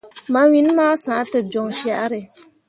Ma win ma sah te jon carré.